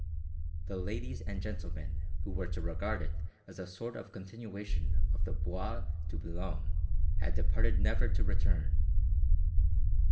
The ladies and gentlemen who were to regard it as a sort of continuation of the Bois de Boulogne had departed never to return.